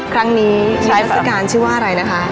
ครั้งนี้ใช้เทศกาลชื่อว่าอะไรนะคะ